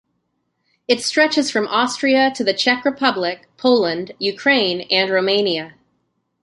It stretches from Austria to the Czech Republic, Poland, Ukraine, and Romania.